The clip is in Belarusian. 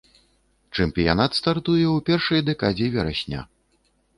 Чэмпіянат стартуе ў першай дэкадзе верасня.